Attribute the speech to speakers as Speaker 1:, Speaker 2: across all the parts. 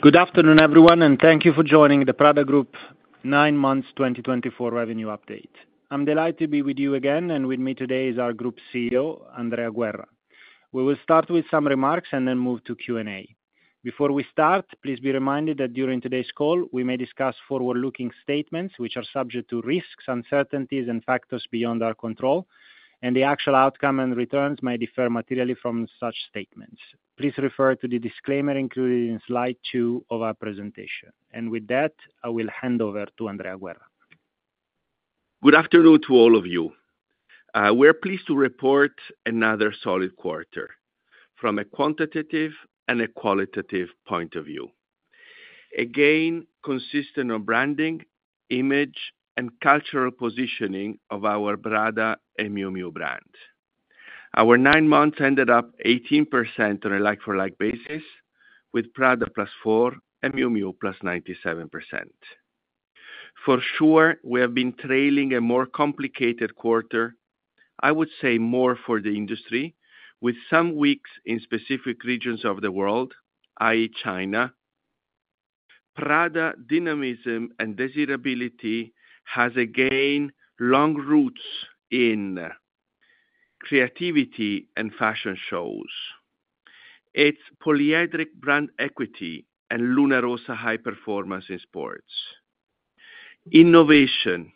Speaker 1: Good afternoon, everyone, and thank you for joining the Prada Group 9 Months 2024 Revenue Update. I'm delighted to be with you again, and with me today is our Group CEO, Andrea Guerra. We will start with some remarks and then move to Q&A. Before we start, please be reminded that during today's call, we may discuss forward-looking statements which are subject to risks, uncertainties, and factors beyond our control, and the actual outcome and returns may differ materially from such statements. Please refer to the disclaimer included in Slide 2 of our presentation, and with that, I will hand over to Andrea Guerra.
Speaker 2: Good afternoon to all of you. We're pleased to report another solid quarter from a quantitative and a qualitative point of view, again consistent on branding, image, and cultural positioning of our Prada Miu Miu brand. Our nine months ended up 18% on a like-for-like basis, with Prada plus 4%, Miu Miu plus 97%. For sure, we have been trailing a more complicated quarter, I would say more for the industry, with some weeks in specific regions of the world, i.e., China. Prada's dynamism and desirability has again long roots in creativity and fashion shows, its polyhedric brand equity, and Luna Rossa high performance in sports, innovation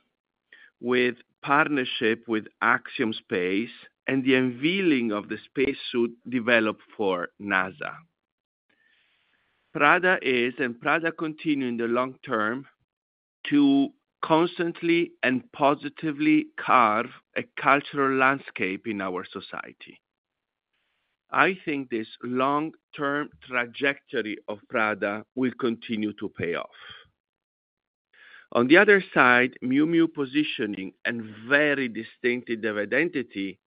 Speaker 2: with partnership with Axiom Space, and the unveiling of the spacesuit developed for NASA. Prada is, and Prada continues in the long term, to constantly and positively carve a cultural landscape in our society. I think this long-term trajectory of Prada will continue to pay off. On the other side, Miu Miu positioning and very distinctive identity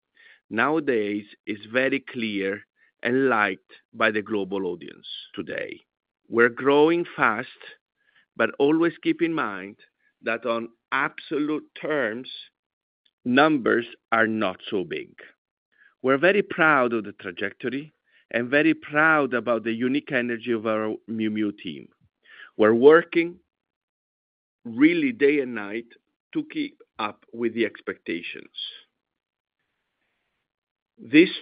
Speaker 2: nowadays is very clear and liked by the global audience. Today, we're growing fast, but always keep in mind that on absolute terms, numbers are not so big. We're very proud of the trajectory and very proud about the unique energy of our Miu Miu team. We're working really day and night to keep up with the expectations. These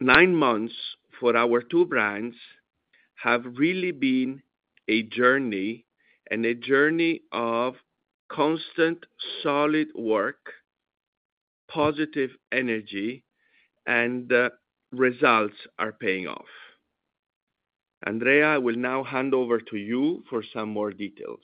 Speaker 2: nine months for our two brands have really been a journey, and a journey of constant solid work, positive energy, and the results are paying off. Andrea, I will now hand over to you for some more details.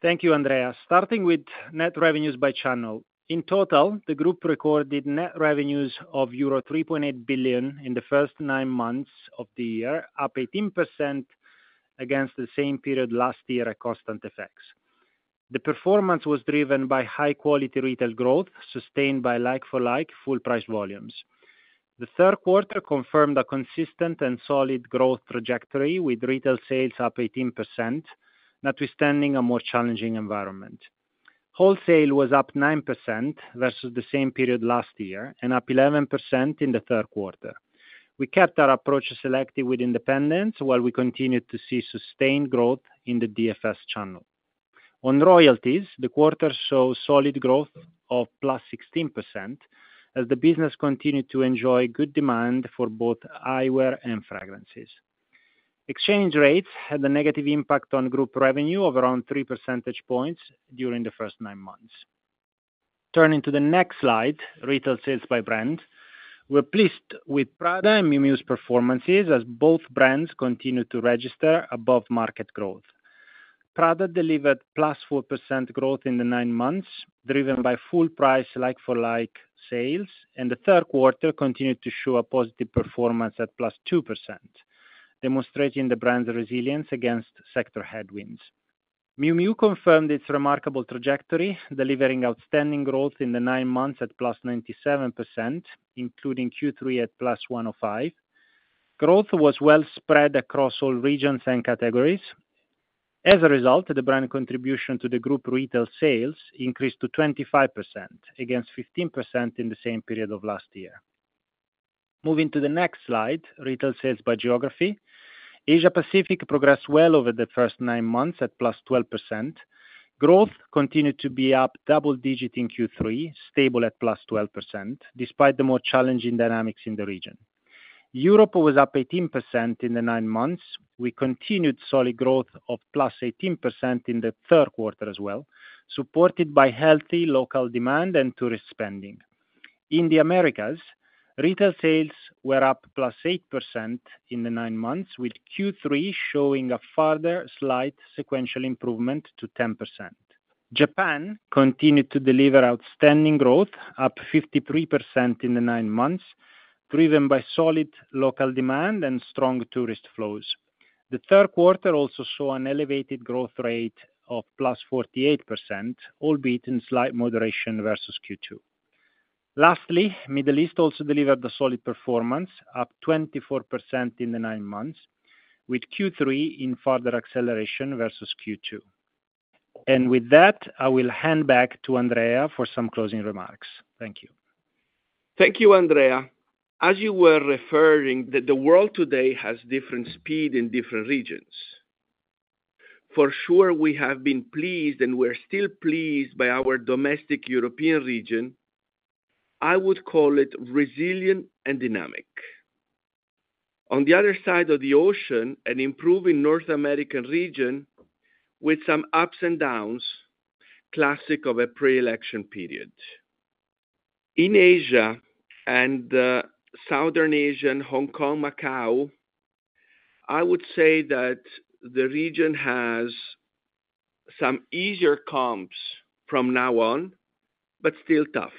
Speaker 1: Thank you, Andrea. Starting with net revenues by channel, in total, the Group recorded net revenues of euro 3.8 billion in the first nine months of the year, up 18% against the same period last year at constant effects. The performance was driven by high-quality retail growth sustained by like-for-like full-price volumes. The third quarter confirmed a consistent and solid growth trajectory with retail sales up 18%, notwithstanding a more challenging environment. Wholesale was up 9% versus the same period last year and up 11% in the third quarter. We kept our approach selective with independents while we continued to see sustained growth in the DFS channel. On royalties, the quarter saw solid growth of plus 16% as the business continued to enjoy good demand for both eyewear and fragrances. Exchange rates had a negative impact on Group revenue of around 3 percentage points during the first nine months. Turning to the next slide, retail sales by brand, we're pleased with Prada and Miu Miu's performances as both brands continue to register above market growth. Prada delivered +4% growth in the nine months driven by full-price like-for-like sales, and the third quarter continued to show a positive performance at +2%, demonstrating the brand's resilience against sector headwinds. Miu Miu confirmed its remarkable trajectory, delivering outstanding growth in the nine months at +97%, including Q3 at +105%. Growth was well spread across all regions and categories. As a result, the brand contribution to the Group retail sales increased to 25% against 15% in the same period of last year. Moving to the next slide, retail sales by geography, Asia-Pacific progressed well over the first nine months at +12%. Growth continued to be up double-digit in Q3, stable at plus 12% despite the more challenging dynamics in the region. Europe was up 18% in the nine months. We continued solid growth of plus 18% in the third quarter as well, supported by healthy local demand and tourist spending. In the Americas, retail sales were up plus 8% in the nine months, with Q3 showing a further slight sequential improvement to 10%. Japan continued to deliver outstanding growth, up 53% in the nine months, driven by solid local demand and strong tourist flows. The third quarter also saw an elevated growth rate of plus 48%, albeit in slight moderation versus Q2. Lastly, the Middle East also delivered a solid performance, up 24% in the nine months, with Q3 in further acceleration versus Q2. And with that, I will hand back to Andrea for some closing remarks. Thank you.
Speaker 2: Thank you, Andrea. As you were referring, the world today has different speed in different regions. For sure, we have been pleased, and we're still pleased by our domestic European region. I would call it resilient and dynamic. On the other side of the ocean, an improving North American region with some ups and downs, classic of a pre-election period. In Asia and South Asia, Hong Kong, Macau, I would say that the region has some easier comps from now on, but still tough.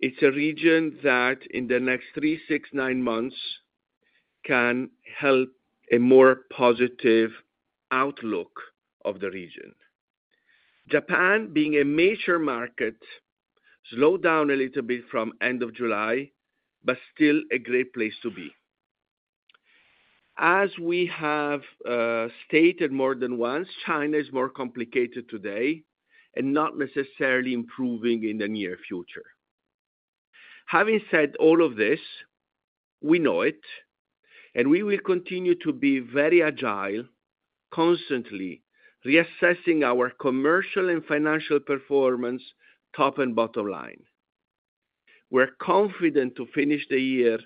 Speaker 2: It's a region that in the next three, six, nine months can help a more positive outlook of the region. Japan, being a major market, slowed down a little bit from the end of July, but still a great place to be. As we have stated more than once, China is more complicated today and not necessarily improving in the near future. Having said all of this, we know it, and we will continue to be very agile, constantly reassessing our commercial and financial performance top and bottom line. We're confident to finish the year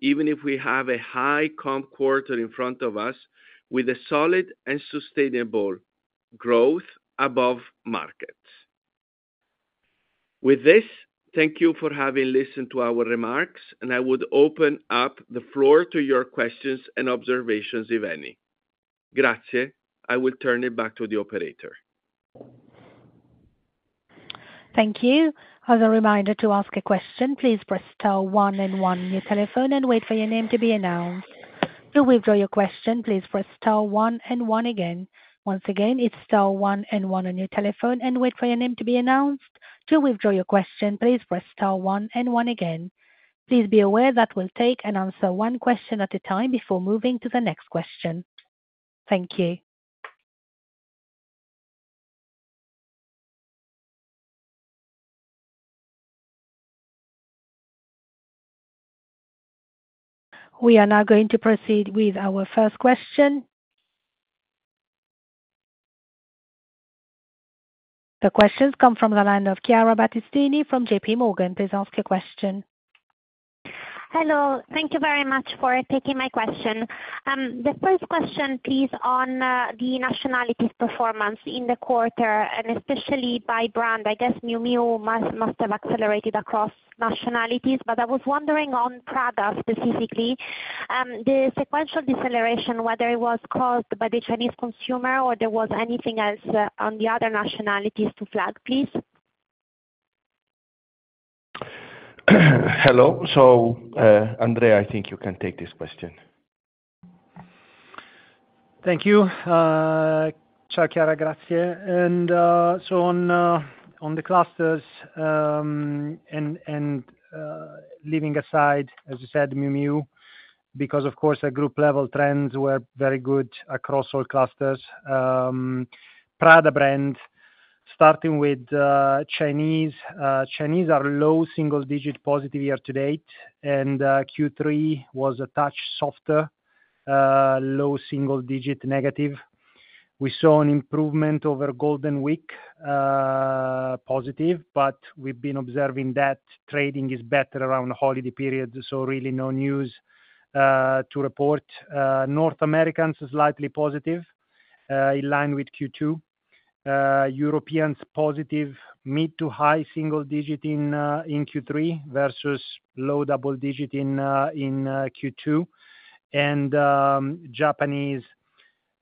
Speaker 2: even if we have a high comp quarter in front of us with solid and sustainable growth above markets. With this, thank you for having listened to our remarks, and I would open up the floor to your questions and observations if any. Grazie. I will turn it back to the operator.
Speaker 3: Thank you. As a reminder to ask a question, please press star one and one on your telephone and wait for your name to be announced. To withdraw your question, please press star one and one again. Once again, it's star one and one on your telephone and wait for your name to be announced. To withdraw your question, please press star one and one again. Please be aware that we'll take and answer one question at a time before moving to the next question. Thank you. We are now going to proceed with our first question. The questions come from the line of Chiara Battistini from J.P. Morgan. Please ask your question.
Speaker 4: Hello. Thank you very much for taking my question. The first question, please, on the nationality performance in the quarter, and especially by brand. I guess Miu Miu must have accelerated across nationalities, but I was wondering on Prada specifically, the sequential deceleration, whether it was caused by the Chinese consumer or there was anything else on the other nationalities to flag, please?
Speaker 5: Hello, so Andrea, I think you can take this question.
Speaker 2: Thank you. Ciao, Chiara, grazie. And so, on the clusters, and leaving aside, as you said, Miu Miu, because of course the group-level trends were very good across all clusters. Prada brand, starting with Chinese. Chinese are low single-digit positive year-to-date, and Q3 was a touch softer, low single-digit negative. We saw an improvement over Golden Week positive, but we've been observing that trading is better around the holiday period, so really no news to report. North Americans are slightly positive in line with Q2. Europeans positive, mid to high single-digit in Q3 versus low double-digit in Q2. And Japanese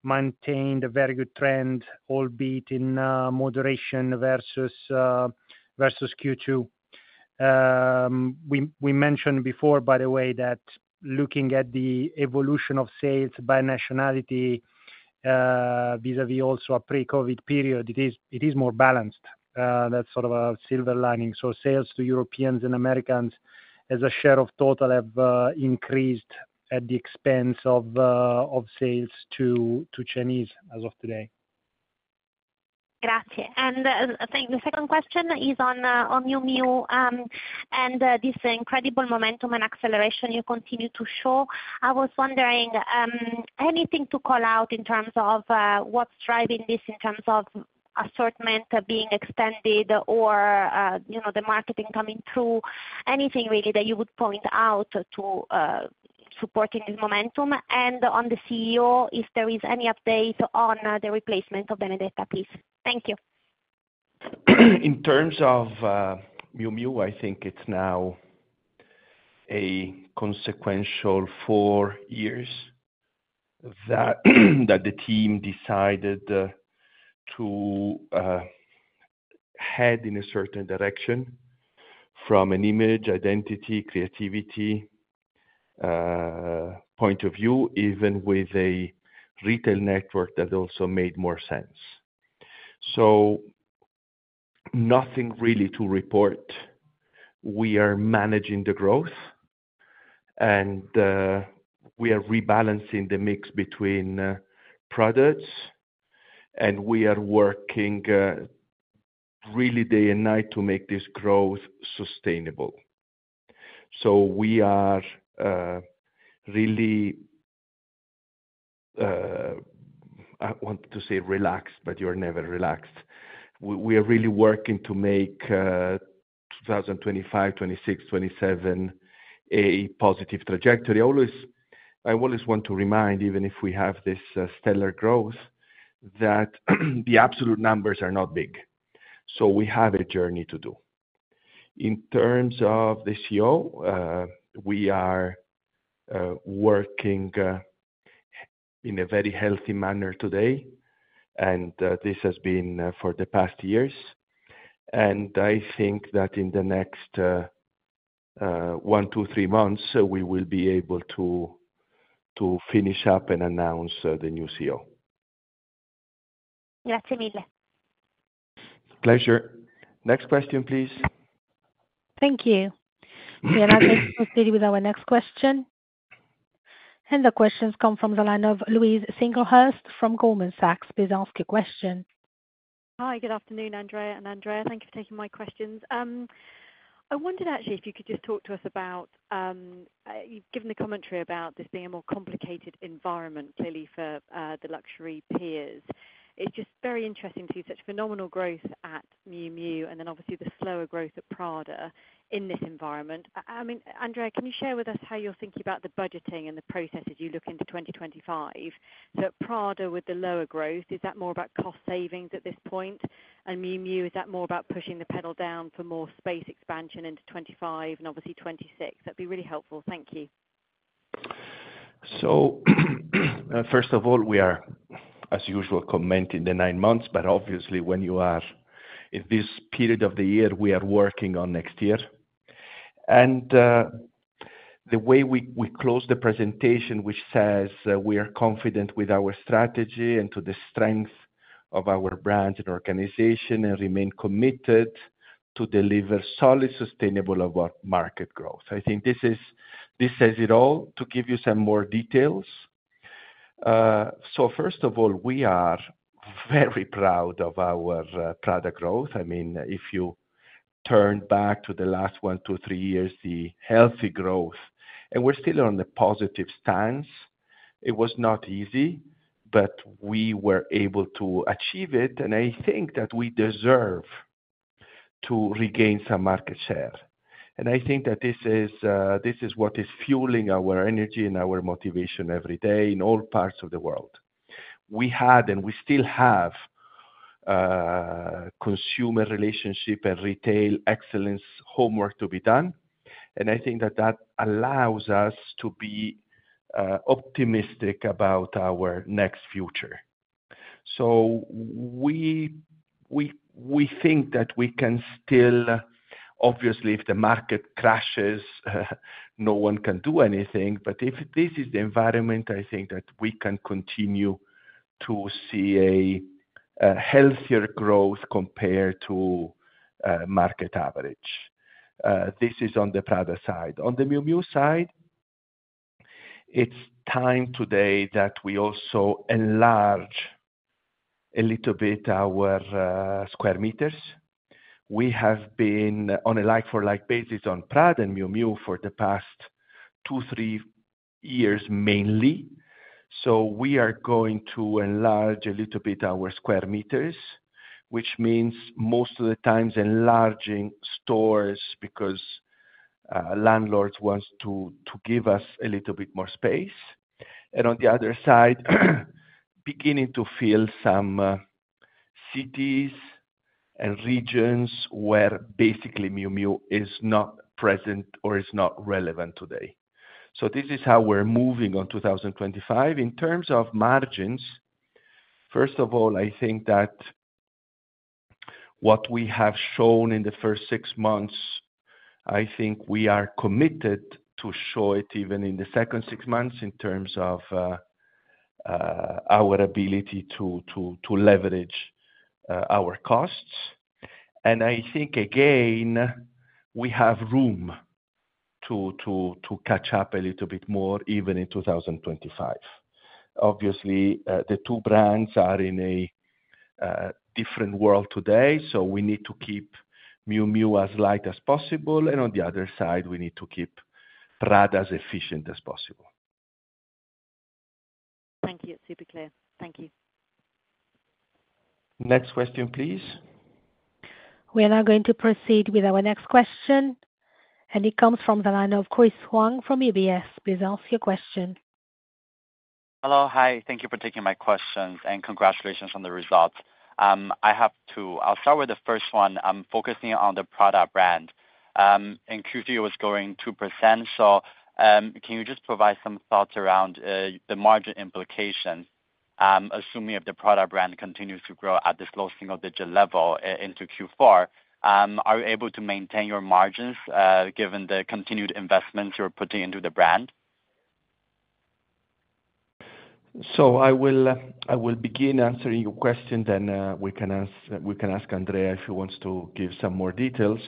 Speaker 2: maintained a very good trend, albeit in moderation versus Q2. We mentioned before, by the way, that looking at the evolution of sales by nationality vis-à-vis also a pre-COVID period, it is more balanced. That's sort of a silver lining. So sales to Europeans and Americans as a share of total have increased at the expense of sales to Chinese as of today.
Speaker 4: Grazie. And the second question is on Miu Miu, and this incredible momentum and acceleration you continue to show. I was wondering, anything to call out in terms of what's driving this in terms of assortment being extended or the marketing coming through? Anything really that you would point out to supporting this momentum? And on the CEO, if there is any update on the replacement of Benedetta, please. Thank you.
Speaker 5: In terms of Miu Miu, I think it's now a consequential four years that the team decided to head in a certain direction from an image, identity, creativity point of view, even with a retail network that also made more sense. So nothing really to report. We are managing the growth, and we are rebalancing the mix between products, and we are working really day and night to make this growth sustainable. So we are really, I want to say relaxed, but you're never relaxed. We are really working to make 2025, 2026, 2027 a positive trajectory. I always want to remind, even if we have this stellar growth, that the absolute numbers are not big. So we have a journey to do. In terms of the CEO, we are working in a very healthy manner today, and this has been for the past years. I think that in the next one, two, three months, we will be able to finish up and announce the new CEO.
Speaker 4: Grazie mille.
Speaker 5: Pleasure. Next question, please.
Speaker 3: Thank you. We are now going to proceed with our next question. The questions come from the line of Louise Singlehurst from Goldman Sachs. Please ask your question.
Speaker 6: Hi, good afternoon, Andrea. And Andrea, thank you for taking my questions. I wondered actually if you could just talk to us about you've given the commentary about this being a more complicated environment clearly for the luxury peers. It's just very interesting to see such phenomenal growth at Miu Miu and then obviously the slower growth at Prada in this environment. I mean, Andrea, can you share with us how you're thinking about the budgeting and the process as you look into 2025? So at Prada, with the lower growth, is that more about cost savings at this point? And Miu Miu, is that more about pushing the pedal down for more space expansion into 2025 and obviously 2026? That'd be really helpful. Thank you.
Speaker 5: So first of all, we are, as usual, commenting the nine months, but obviously when you are in this period of the year, we are working on next year. And the way we close the presentation, which says we are confident with our strategy and to the strength of our brand and organization and remain committed to deliver solid, sustainable market growth. I think this says it all. To give you some more details, so first of all, we are very proud of our Prada growth. I mean, if you turn back to the last one, two, three years, the healthy growth, and we're still on a positive stance. It was not easy, but we were able to achieve it, and I think that we deserve to regain some market share. I think that this is what is fueling our energy and our motivation every day in all parts of the world. We had and we still have consumer relationship and retail excellence homework to be done. I think that that allows us to be optimistic about our next future. We think that we can still, obviously, if the market crashes, no one can do anything. If this is the environment, I think that we can continue to see a healthier growth compared to market average. This is on the Prada side. On the Miu Miu side, it's time today that we also enlarge a little bit our square meters. We have been on a like-for-like basis on Prada and Miu Miu for the past two, three years mainly. We are going to enlarge a little bit our square meters, which means most of the time enlarging stores because landlords want to give us a little bit more space. And on the other side, beginning to fill some cities and regions where basically Miu Miu is not present or is not relevant today. So this is how we're moving on 2025. In terms of margins, first of all, I think that what we have shown in the first six months, I think we are committed to show it even in the second six months in terms of our ability to leverage our costs. And I think, again, we have room to catch up a little bit more even in 2025. Obviously, the two brands are in a different world today, so we need to keep Miu Miu as light as possible. On the other side, we need to keep Prada as efficient as possible.
Speaker 6: Thank you. Super clear. Thank you.
Speaker 5: Next question, please.
Speaker 3: We are now going to proceed with our next question. It comes from the line of Chris Huang from UBS. Please ask your question.
Speaker 7: Hello. Hi. Thank you for taking my questions and congratulations on the results. I'll start with the first one. I'm focusing on the Prada brand. In Q3, it was growing 2%. So can you just provide some thoughts around the margin implications, assuming if the Prada brand continues to grow at this low single-digit level into Q4? Are you able to maintain your margins given the continued investments you're putting into the brand?
Speaker 5: So I will begin answering your question, then we can ask Andrea if she wants to give some more details.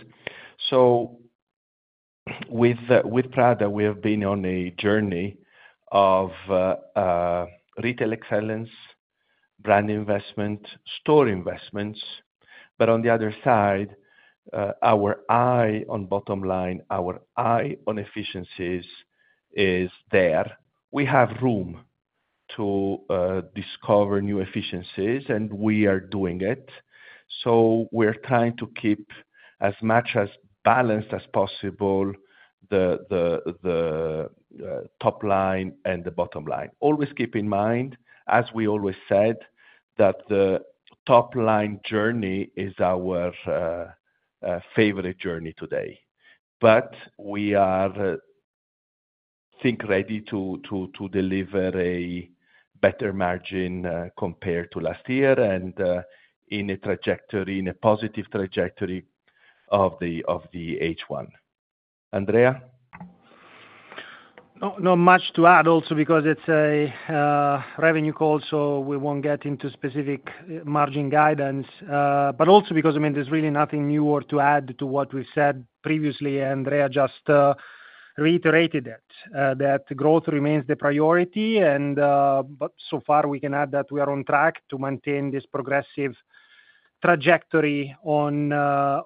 Speaker 5: So with Prada, we have been on a journey of retail excellence, brand investment, store investments. But on the other side, our eye on bottom line, our eye on efficiencies is there. We have room to discover new efficiencies, and we are doing it. So we're trying to keep as much as balanced as possible the top line and the bottom line. Always keep in mind, as we always said, that the top line journey is our favorite journey today. But we are ready to deliver a better margin compared to last year and in a trajectory, in a positive trajectory of the H1. Andrea?
Speaker 1: No, not much to add also because it's a revenue call, so we won't get into specific margin guidance. But also because, I mean, there's really nothing newer to add to what we've said previously. Andrea just reiterated that growth remains the priority. And so far, we can add that we are on track to maintain this progressive trajectory on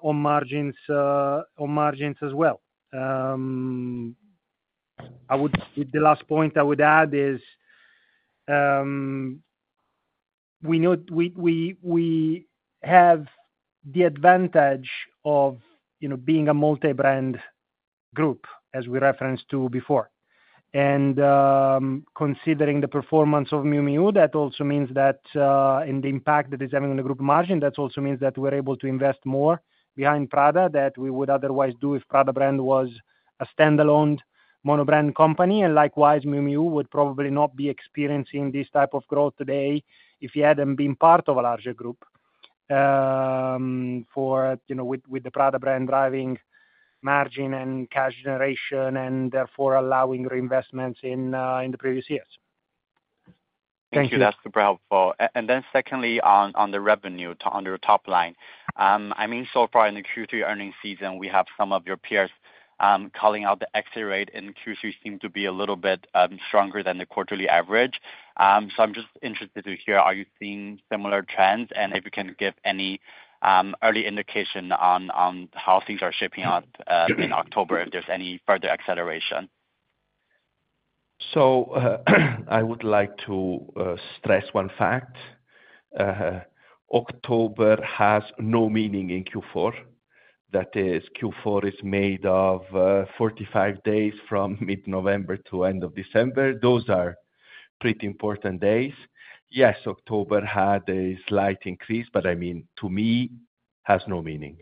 Speaker 1: margins as well. The last point I would add is we have the advantage of being a multi-brand group, as we referenced to before. And considering the performance of Miu Miu, that also means that in the impact that is having on the group margin, that also means that we're able to invest more behind Prada that we would otherwise do if Prada brand was a standalone monobrand company. Likewise, Miu Miu would probably not be experiencing this type of growth today if it hadn't been part of a larger group with the Prada brand driving margin and cash generation and therefore allowing reinvestments in the previous years.
Speaker 7: Thank you. That's super helpful. And then secondly, on the revenue to under top line, I mean, so far in the Q3 earnings season, we have some of your peers calling out the exit rate, and Q3 seemed to be a little bit stronger than the quarterly average. So I'm just interested to hear, are you seeing similar trends? And if you can give any early indication on how things are shaping up in October, if there's any further acceleration?
Speaker 2: So I would like to stress one fact. October has no meaning in Q4. That is, Q4 is made of 45 days from mid-November to end of December. Those are pretty important days. Yes, October had a slight increase, but I mean, to me, has no meaning.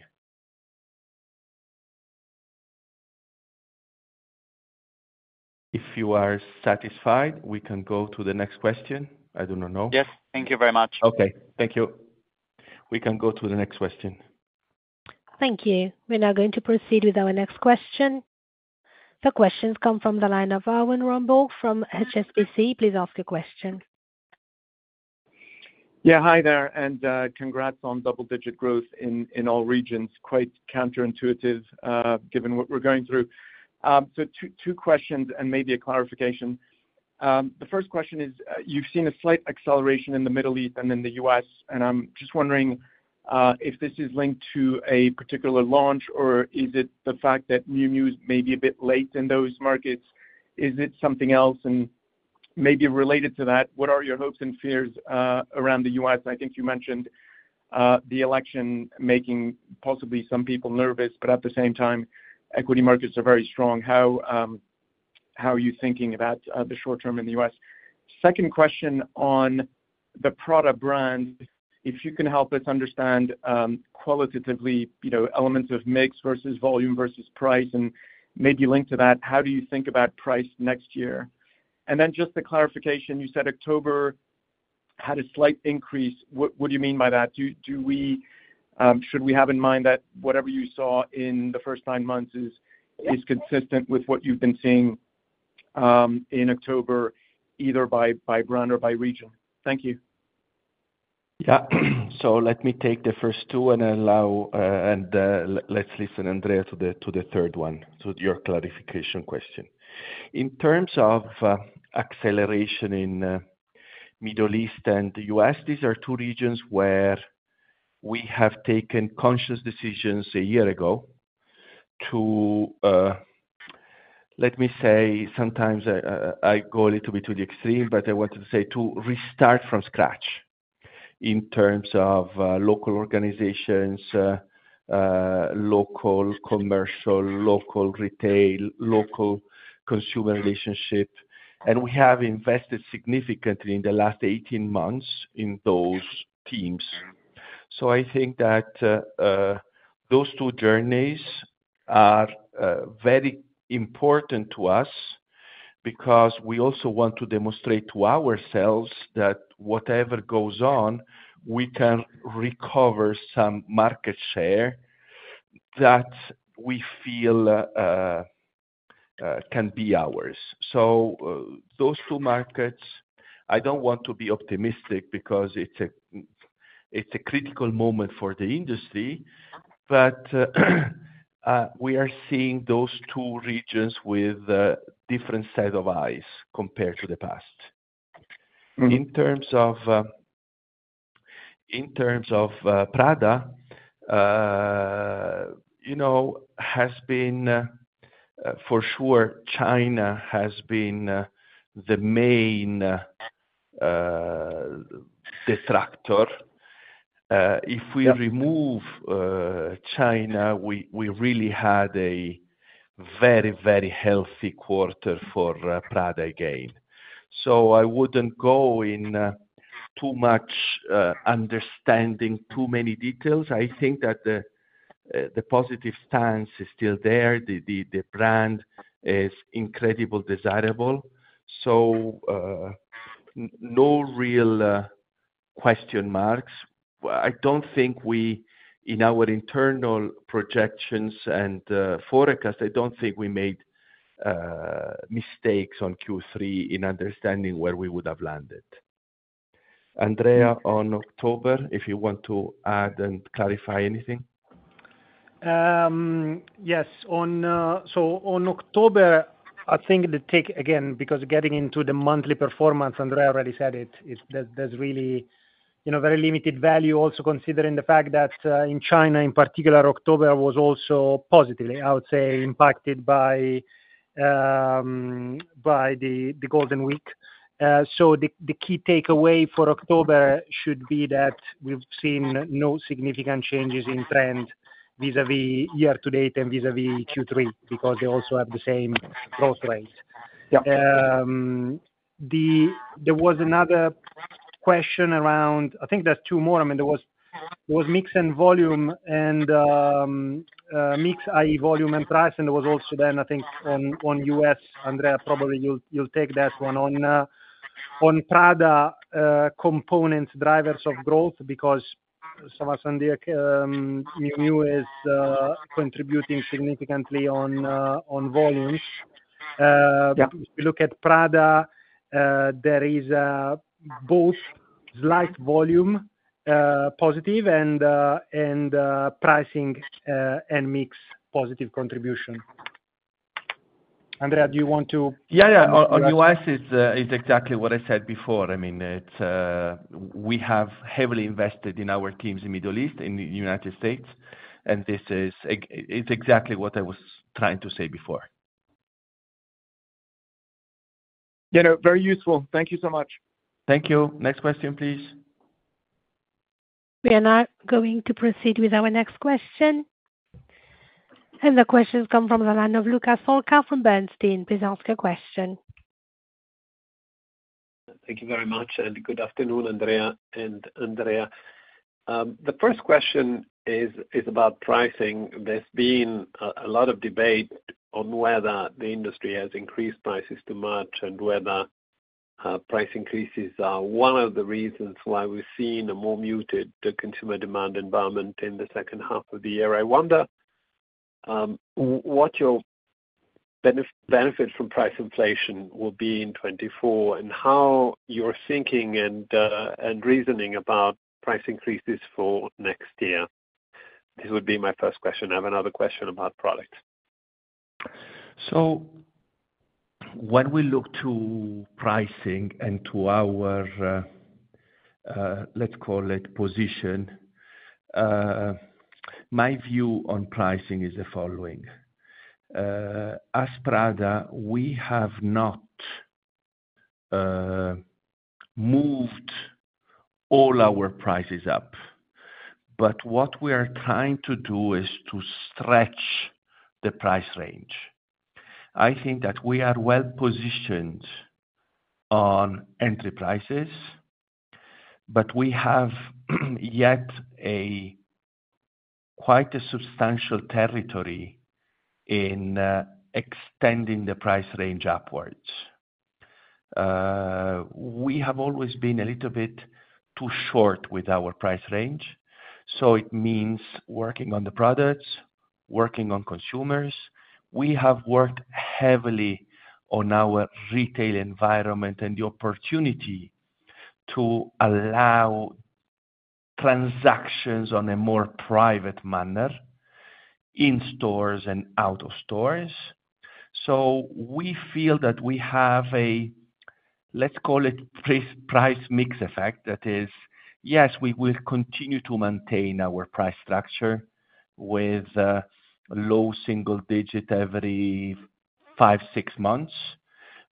Speaker 2: If you are satisfied, we can go to the next question. I don't know.
Speaker 7: Yes. Thank you very much.
Speaker 5: Okay. Thank you. We can go to the next question.
Speaker 3: Thank you. We're now going to proceed with our next question. The questions come from the line of Erwan Rambourg from HSBC. Please ask your question.
Speaker 8: Yeah. Hi there. And congrats on double-digit growth in all regions. Quite counterintuitive given what we're going through. So two questions and maybe a clarification. The first question is, you've seen a slight acceleration in the Middle East and in the US, and I'm just wondering if this is linked to a particular launch or is it the fact that Miu Miu is maybe a bit late in those markets? Is it something else? And maybe related to that, what are your hopes and fears around the US? I think you mentioned the election making possibly some people nervous, but at the same time, equity markets are very strong. How are you thinking about the short term in the US? Second question on the Prada brand, if you can help us understand qualitatively elements of mix versus volume versus price and maybe link to that, how do you think about price next year? And then just the clarification, you said October had a slight increase. What do you mean by that? Should we have in mind that whatever you saw in the first nine months is consistent with what you've been seeing in October either by brand or by region? Thank you.
Speaker 5: Yeah, so let me take the first two and allow and let's listen, Andrea, to the third one, to your clarification question. In terms of acceleration in the Middle East and the U.S., these are two regions where we have taken conscious decisions a year ago to, let me say, sometimes I go a little bit to the extreme, but I wanted to say to restart from scratch in terms of local organizations, local commercial, local retail, local consumer relationship, and we have invested significantly in the last 18 months in those teams. So I think that those two journeys are very important to us because we also want to demonstrate to ourselves that whatever goes on, we can recover some market share that we feel can be ours. So those two markets, I don't want to be optimistic because it's a critical moment for the industry, but we are seeing those two regions with different sets of eyes compared to the past. In terms of Prada, has been for sure, China has been the main detractor. If we remove China, we really had a very, very healthy quarter for Prada again. So I wouldn't go in too much understanding too many details. I think that the positive stance is still there. The brand is incredibly desirable. So no real question marks. I don't think we, in our internal projections and forecast, I don't think we made mistakes on Q3 in understanding where we would have landed. Andrea, on October, if you want to add and clarify anything.
Speaker 1: Yes. So on October, I think the take, again, because getting into the monthly performance, Andrea already said it, there's really very limited value also considering the fact that in China, in particular, October was also positively, I would say, impacted by the Golden Week. So the key takeaway for October should be that we've seen no significant changes in trend vis-à-vis year-to-date and vis-à-vis Q3 because they also have the same growth rate. There was another question around, I think there's two more. I mean, there was mix and volume and mix, i.e., volume and price, and there was also then, I think, on U.S., Andrea, probably you'll take that one on Prada components, drivers of growth because Miu Miu is contributing significantly on volumes. If you look at Prada, there is both slight volume positive and pricing and mix positive contribution. Andrea, do you want to?
Speaker 2: Yeah, yeah. On U.S., it's exactly what I said before. I mean, we have heavily invested in our teams in the Middle East, in the United States, and it's exactly what I was trying to say before.
Speaker 8: Yeah. No, very useful. Thank you so much.
Speaker 5: Thank you. Next question, please.
Speaker 3: We are now going to proceed with our next question, and the questions come from the line of Luca Solca from Bernstein. Please ask your question.
Speaker 9: Thank you very much and good afternoon, Andrea and Andrea. The first question is about pricing. There's been a lot of debate on whether the industry has increased prices too much and whether price increases are one of the reasons why we've seen a more muted consumer demand environment in the second half of the year. I wonder what your benefit from price inflation will be in 2024 and how you're thinking and reasoning about price increases for next year. This would be my first question. I have another question about products.
Speaker 1: So when we look to pricing and to our, let's call it, position, my view on pricing is the following. As Prada, we have not moved all our prices up, but what we are trying to do is to stretch the price range. I think that we are well positioned on entry prices, but we have yet quite a substantial territory in extending the price range upwards. We have always been a little bit too short with our price range. So it means working on the products, working on consumers. We have worked heavily on our retail environment and the opportunity to allow transactions on a more private manner in stores and out of stores. So we feel that we have a, let's call it, price mix effect that is, yes, we will continue to maintain our price structure with low single digit every five, six months.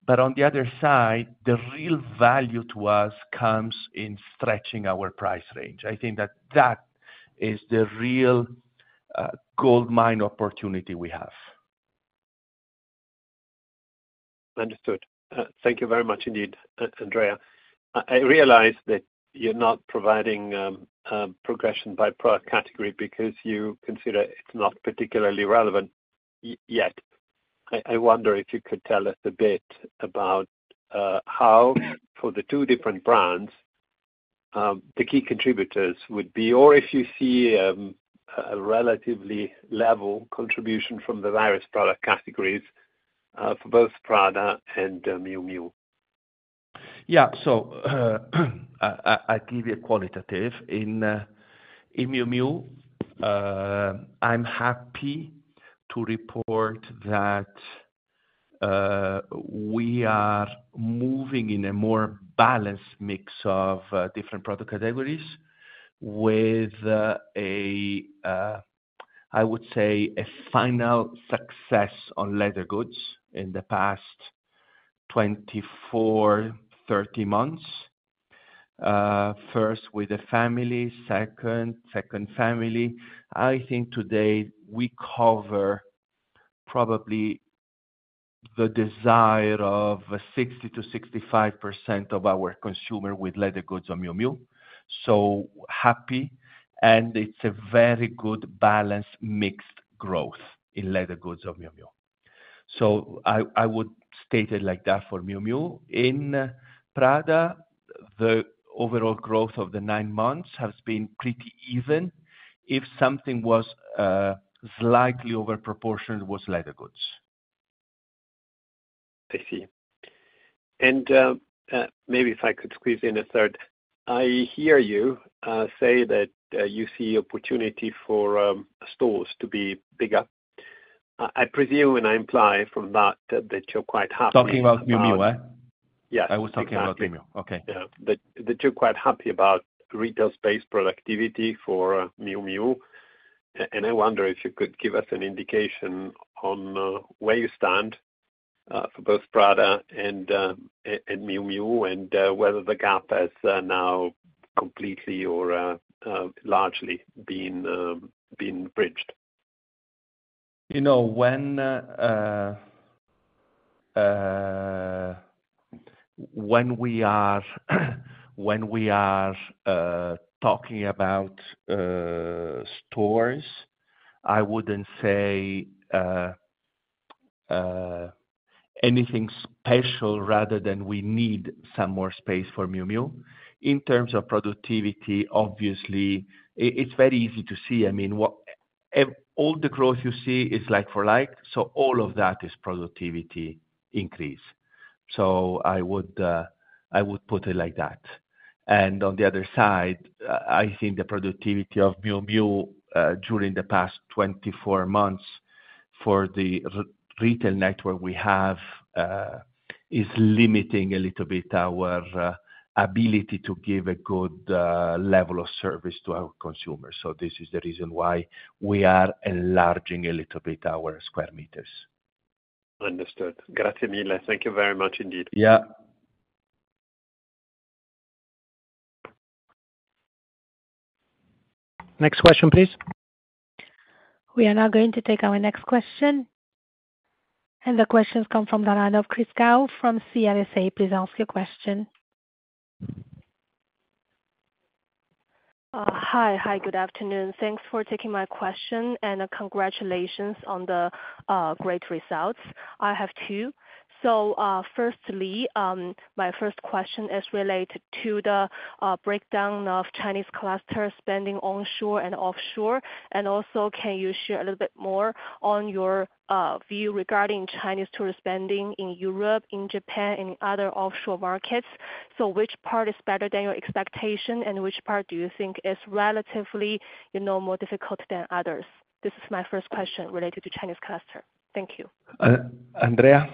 Speaker 1: But on the other side, the real value to us comes in stretching our price range. I think that that is the real gold mine opportunity we have.
Speaker 9: Understood. Thank you very much indeed, Andrea. I realize that you're not providing progression by product category because you consider it's not particularly relevant yet. I wonder if you could tell us a bit about how, for the two different brands, the key contributors would be, or if you see a relatively level contribution from the various product categories for both Prada and Miu Miu?
Speaker 5: Yeah, so I'll give you a qualitative. In Miu Miu, I'm happy to report that we are moving in a more balanced mix of different product categories with, I would say, a final success on leather goods in the past 24-30 months. First with the family, second family. I think today we cover probably the desire of 60%-65% of our consumer with leather goods on Miu Miu. So happy. And it's a very good balanced mixed growth in leather goods on Miu Miu. So I would state it like that for Miu Miu. In Prada, the overall growth of the nine months has been pretty even. If something was slightly overproportioned, it was leather goods.
Speaker 9: I see. And maybe if I could squeeze in a third, I hear you say that you see opportunity for stores to be bigger. I presume and I imply from that that you're quite happy.
Speaker 5: Talking about Miu Miu,
Speaker 9: Yes.
Speaker 5: I was talking about Miu Miu. Okay.
Speaker 9: That you're quite happy about retail-based productivity for Miu Miu. And I wonder if you could give us an indication on where you stand for both Prada and Miu Miu and whether the gap has now completely or largely been bridged.
Speaker 5: When we are talking about stores, I wouldn't say anything special rather than we need some more space for Miu Miu. In terms of productivity, obviously, it's very easy to see. I mean, all the growth you see is like for like. So all of that is productivity increase. So I would put it like that. And on the other side, I think the productivity of Miu Miu during the past 24 months for the retail network we have is limiting a little bit our ability to give a good level of service to our consumers. So this is the reason why we are enlarging a little bit our square meters.
Speaker 9: Understood. Grazie mille. Thank you very much indeed.
Speaker 5: Yeah. Next question, please.
Speaker 3: We are now going to take our next question. And the questions come from the line of Chris Gow from CLSA. Please ask your question.
Speaker 10: Hi. Hi. Good afternoon. Thanks for taking my question and congratulations on the great results. I have two. So firstly, my first question is related to the breakdown of Chinese customer spending onshore and offshore. And also, can you share a little bit more on your view regarding Chinese tourist spending in Europe, in Japan, and in other offshore markets? So which part is better than your expectation, and which part do you think is relatively more difficult than others? This is my first question related to Chinese customer. Thank you.
Speaker 5: Andrea.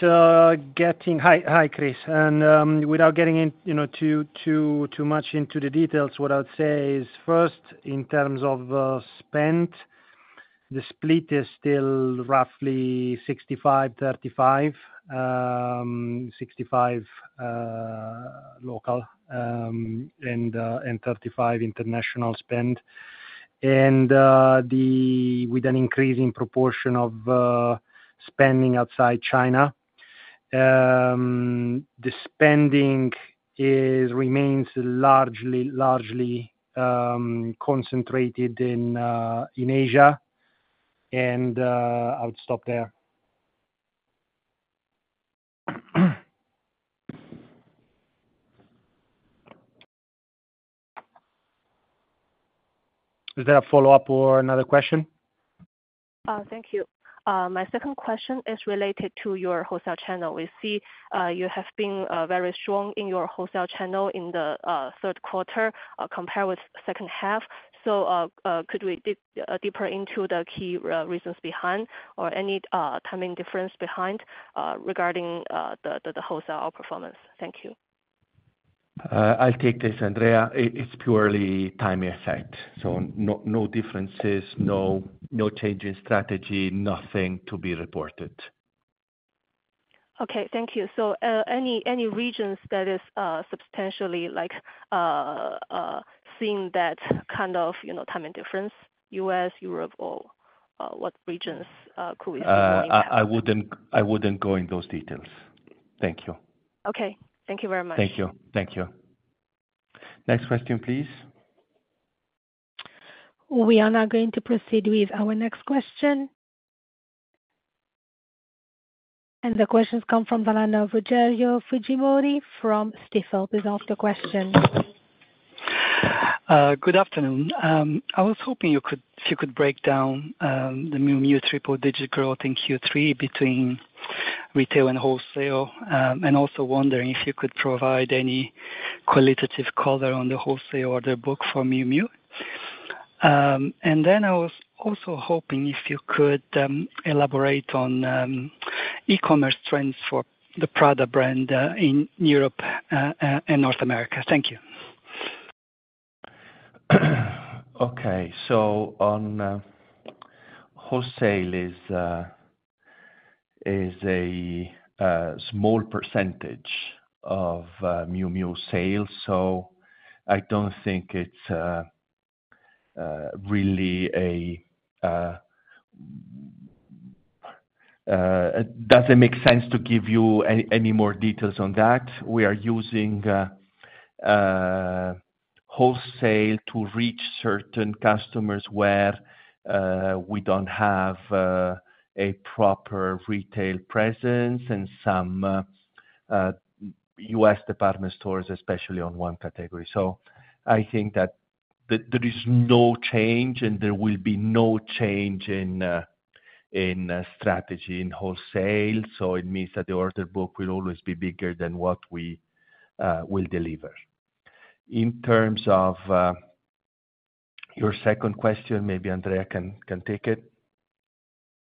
Speaker 1: Hi, Chris. And without getting too much into the details, what I'll say is first, in terms of spend, the split is still roughly 65, 35, 65 local and 35 international spend. And with an increasing proportion of spending outside China, the spending remains largely concentrated in Asia. And I'll stop there.
Speaker 5: Is there a follow-up or another question?
Speaker 10: Thank you. My second question is related to your wholesale channel. We see you have been very strong in your wholesale channel in the third quarter compared with second half. So could we dig deeper into the key reasons behind or any timing difference behind regarding the wholesale outperformance? Thank you.
Speaker 5: I'll take this, Andrea. It's purely timing effect. So no differences, no change in strategy, nothing to be reported.
Speaker 10: Okay. Thank you. So any regions that are substantially seeing that kind of timing difference, U.S., Europe, or what regions could we see going back?
Speaker 5: I wouldn't go into those details. Thank you.
Speaker 10: Okay. Thank you very much.
Speaker 5: Thank you. Thank you. Next question, please.
Speaker 3: We are now going to proceed with our next question, and the questions come from the line of Rogerio Fujimori from Stifel. Please ask your question.
Speaker 11: Good afternoon. I was hoping if you could break down the Miu Miu triple digit growth in Q3 between retail and wholesale, and also wondering if you could provide any qualitative color on the wholesale order book for Miu Miu, and then I was also hoping if you could elaborate on e-commerce trends for the Prada brand in Europe and North America. Thank you.
Speaker 2: Okay. So on wholesale is a small percentage of Miu Miu sales. So I don't think it's really. Does it make sense to give you any more details on that? We are using wholesale to reach certain customers where we don't have a proper retail presence and some U.S. department stores, especially on one category. So I think that there is no change, and there will be no change in strategy in wholesale. So it means that the order book will always be bigger than what we will deliver. In terms of your second question, maybe Andrea can take it.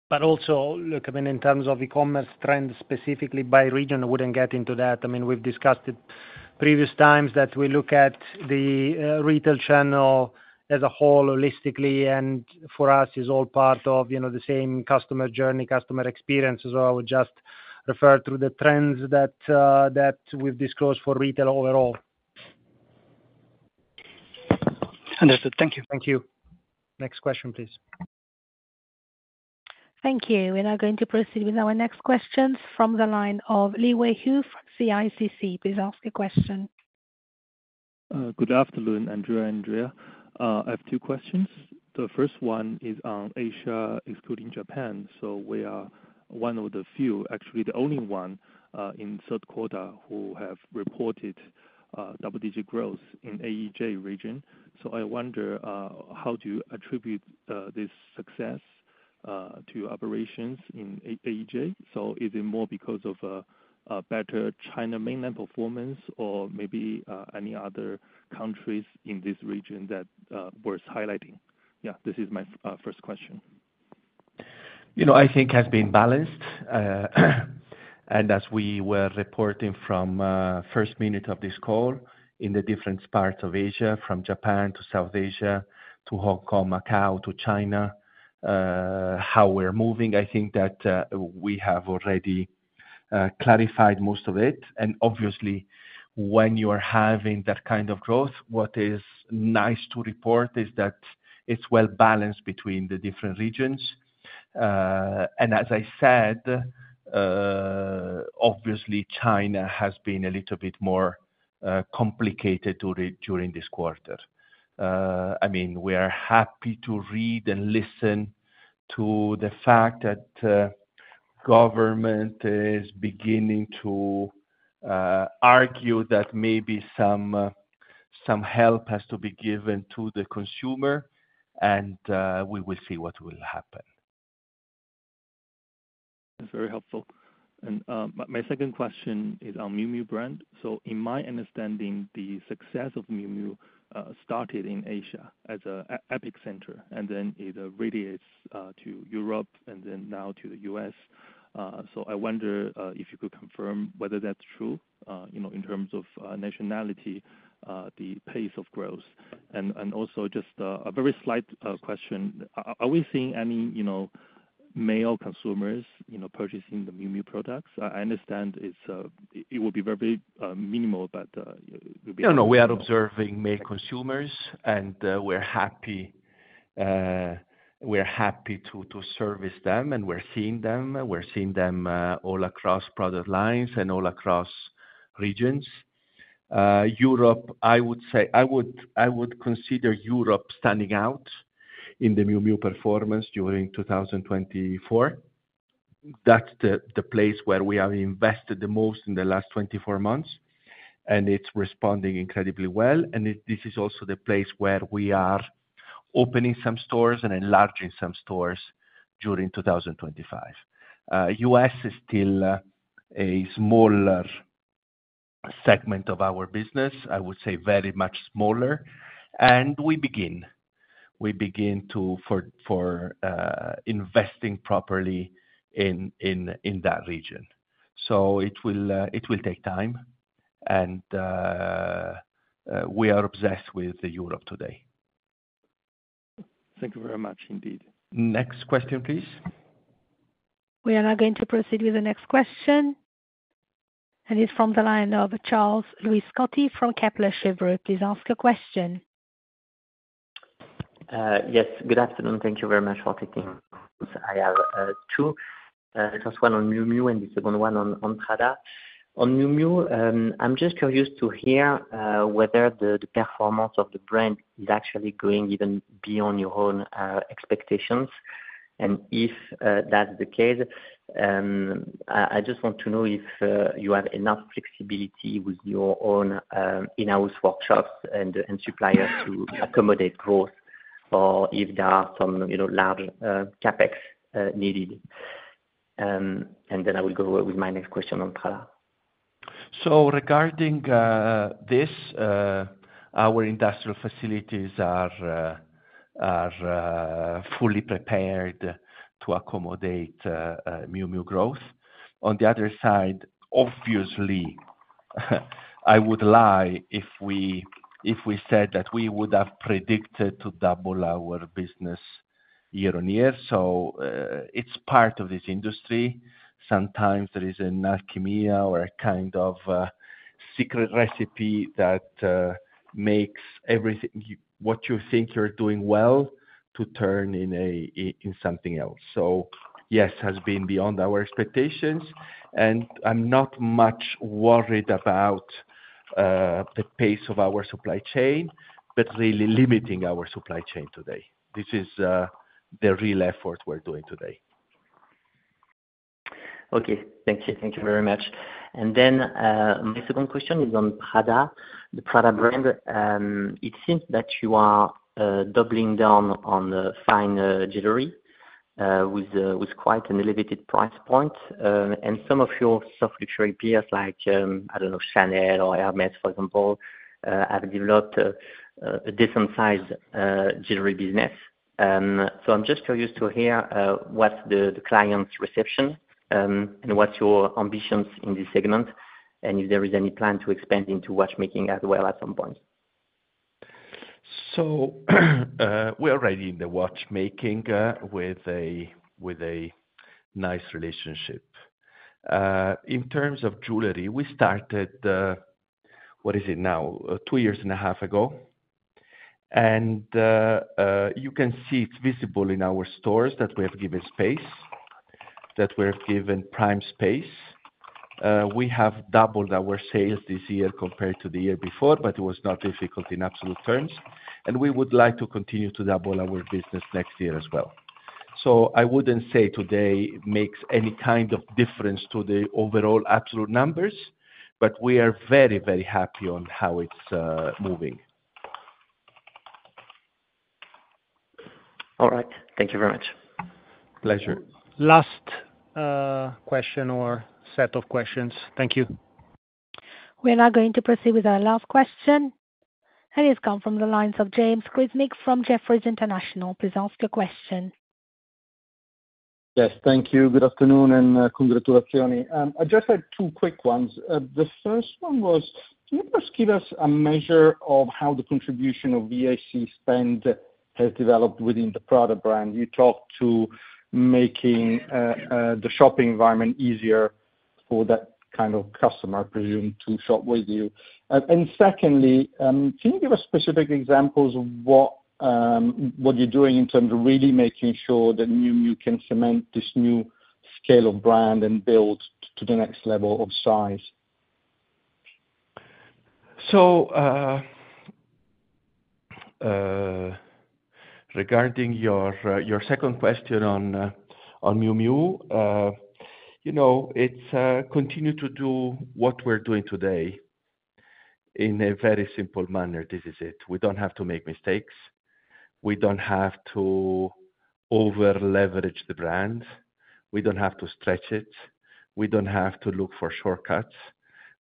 Speaker 1: But also, look, I mean, in terms of e-commerce trends, specifically by region, I wouldn't get into that. I mean, we've discussed it previous times that we look at the retail channel as a whole, holistically, and for us, it's all part of the same customer journey, customer experience. So I would just refer to the trends that we've disclosed for retail overall.
Speaker 11: Understood. Thank you.
Speaker 1: Thank you. Next question, please.
Speaker 3: Thank you. We're now going to proceed with our next questions from the line of Liyue Hu, CICC. Please ask your question.
Speaker 12: Good afternoon, Andrea and Andrea. I have two questions. The first one is on Asia, excluding Japan. So we are one of the few, actually the only one in third quarter who have reported double-digit growth in AEJ region. So I wonder how do you attribute this success to operations in AEJ? So is it more because of a better China mainland performance or maybe any other countries in this region that worth highlighting? Yeah, this is my first question.
Speaker 2: I think it has been balanced. And as we were reporting from first minute of this call in the different parts of Asia, from Japan to South Asia to Hong Kong, Macau to China, how we're moving, I think that we have already clarified most of it. And obviously, when you are having that kind of growth, what is nice to report is that it's well balanced between the different regions. And as I said, obviously, China has been a little bit more complicated during this quarter. I mean, we are happy to read and listen to the fact that government is beginning to argue that maybe some help has to be given to the consumer, and we will see what will happen.
Speaker 12: That's very helpful. And my second question is on Miu Miu brand. So in my understanding, the success of Miu Miu started in Asia as an epicenter, and then it radiates to Europe and then now to the US. So I wonder if you could confirm whether that's true in terms of nationality, the pace of growth. And also just a very slight question. Are we seeing any male consumers purchasing the Miu Miu products? I understand it would be very minimal, but.
Speaker 5: No, no. We are observing male consumers, and we're happy to service them, and we're seeing them. We're seeing them all across product lines and all across regions. Europe, I would say I would consider Europe standing out in the Miu Miu performance during 2024. That's the place where we have invested the most in the last 24 months, and it's responding incredibly well, and this is also the place where we are opening some stores and enlarging some stores during 2025. U.S. is still a smaller segment of our business, I would say very much smaller, and we begin to invest properly in that region. So it will take time, and we are obsessed with Europe today.
Speaker 12: Thank you very much indeed.
Speaker 5: Next question, please.
Speaker 3: We are now going to proceed with the next question. And it's from the line of Charles-Louis Scotti from Kepler Cheuvreux. Please ask your question.
Speaker 13: Yes. Good afternoon. Thank you very much for taking my question. I have two. First one on Miu Miu and the second one on Prada. On Miu Miu, I'm just curious to hear whether the performance of the brand is actually going even beyond your own expectations. And if that's the case, I just want to know if you have enough flexibility with your own in-house workshops and suppliers to accommodate growth or if there are some large CapEx needed. And then I will go with my next question on Prada.
Speaker 2: So regarding this, our industrial facilities are fully prepared to accommodate Miu Miu growth. On the other side, obviously, I would lie if we said that we would have predicted to double our business year on year. So it's part of this industry. Sometimes there is an alchemy or a kind of secret recipe that makes everything what you think you're doing well to turn in something else. So yes, it has been beyond our expectations. And I'm not much worried about the pace of our supply chain, but really limiting our supply chain today. This is the real effort we're doing today.
Speaker 13: Okay. Thank you. Thank you very much. And then my second question is on Prada, the Prada brand. It seems that you are doubling down on the fine jewelry with quite an elevated price point. And some of your soft luxury peers, like, I don't know, Chanel or Hermès, for example, have developed a decent-sized jewelry business. So I'm just curious to hear what's the client's reception and what's your ambitions in this segment, and if there is any plan to expand into watchmaking as well at some point.
Speaker 2: We're already in the watchmaking with a nice relationship. In terms of jewelry, we started, what is it now, two years and a half ago. You can see it's visible in our stores that we have given space, that we have given prime space. We have doubled our sales this year compared to the year before, but it was not difficult in absolute terms. We would like to continue to double our business next year as well. I wouldn't say today makes any kind of difference to the overall absolute numbers, but we are very, very happy on how it's moving.
Speaker 13: All right. Thank you very much.
Speaker 5: Pleasure.
Speaker 1: Last question or set of questions. Thank you.
Speaker 3: We're now going to proceed with our last question, and it's come from the lines of James Grzinic from Jefferies International. Please ask your question.
Speaker 14: Yes. Thank you. Good afternoon and congratulations. I just had two quick ones. The first one was, can you perhaps give us a measure of how the contribution of VIC spend has developed within the Prada brand? You talked to making the shopping environment easier for that kind of customer, presumed, to shop with you. And secondly, can you give us specific examples of what you're doing in terms of really making sure that Miu Miu can cement this new scale of brand and build to the next level of size?
Speaker 2: So, regarding your second question on Miu Miu, it's continue to do what we're doing today in a very simple manner. This is it. We don't have to make mistakes. We don't have to over-leverage the brand. We don't have to stretch it. We don't have to look for shortcuts.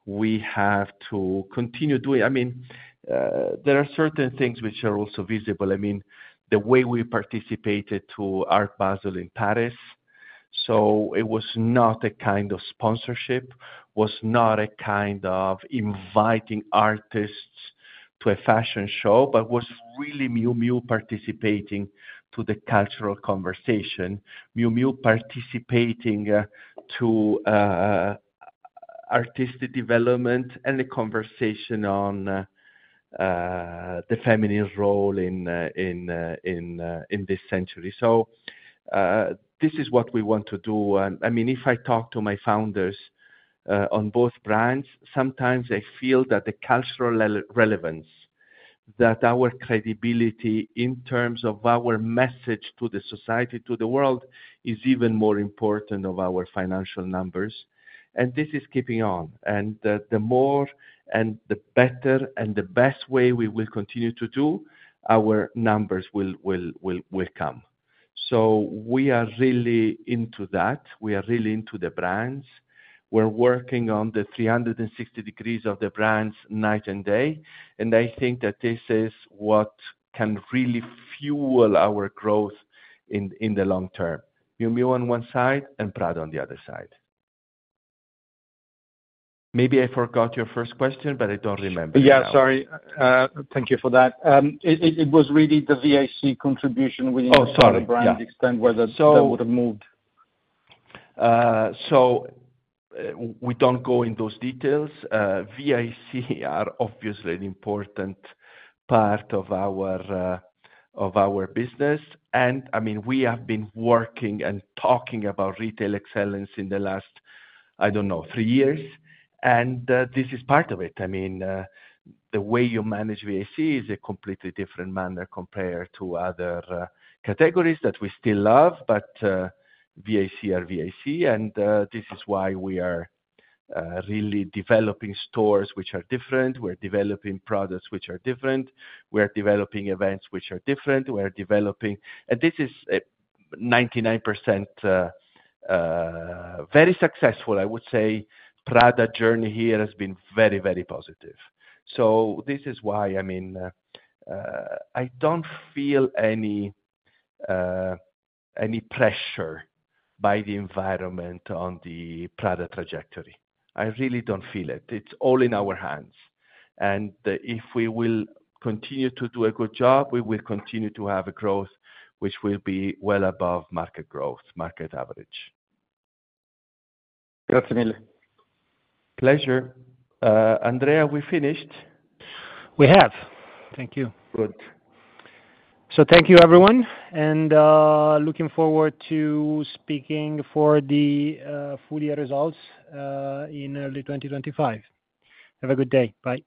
Speaker 2: We have to continue doing. I mean, there are certain things which are also visible. I mean, the way we participated to Art Basel in Paris. So it was not a kind of sponsorship, was not a kind of inviting artists to a fashion show, but was really Miu Miu participating to the cultural conversation, Miu Miu participating to artistic development and the conversation on the feminine role in this century. So this is what we want to do. I mean, if I talk to my founders on both brands, sometimes I feel that the cultural relevance, that our credibility in terms of our message to the society, to the world, is even more important than our financial numbers. And this is keeping on. And the more and the better and the best way we will continue to do, our numbers will come. So we are really into that. We are really into the brands. We're working on the 360 degrees of the brands night and day. And I think that this is what can really fuel our growth in the long term. Miu Miu on one side and Prada on the other side. Maybe I forgot your first question, but I don't remember.
Speaker 1: Yeah, sorry. Thank you for that. It was really the VIC contribution within the Prada brand extent whether that would have moved. So we don't go in those details. VIC are obviously an important part of our business. And I mean, we have been working and talking about retail excellence in the last, I don't know, three years. And this is part of it. I mean, the way you manage VIC is a completely different manner compared to other categories that we still love, but VIC are VIC. And this is why we are really developing stores which are different. We're developing products which are different. We're developing events which are different. We're developing, and this is 99% very successful, I would say. Prada journey here has been very, very positive. So this is why, I mean, I don't feel any pressure by the environment on the Prada trajectory. I really don't feel it. It's all in our hands. If we will continue to do a good job, we will continue to have a growth which will be well above market growth, market average.
Speaker 14: Grazie mille.
Speaker 5: Pleasure. Andrea, we finished?
Speaker 1: We have. Thank you.
Speaker 5: Good.
Speaker 1: Thank you, everyone. Looking forward to speaking for the full year results in early 2025. Have a good day. Bye.